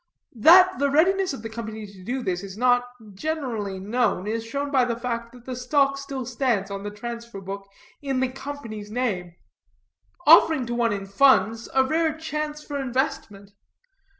That the readiness of the Company to do this is not generally known, is shown by the fact that the stock still stands on the transfer book in the Company's name, offering to one in funds a rare chance for investment.